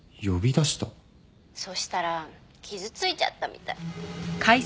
そしたら傷ついちゃったみたい。